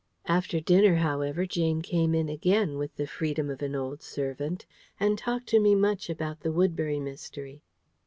After dinner, however, Jane came in again, with the freedom of an old servant, and talked to me much about the Woodbury Mystery.